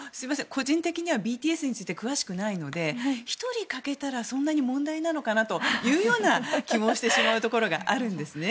個人的にはＢＴＳについて詳しくないので１人欠けたらそんなに問題なのかな？という気もしてしまうんですね。